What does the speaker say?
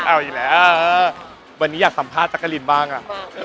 เอาอีกแล้ววันนี้อยากสัมภาษณ์จักรินบ้างอ่ะ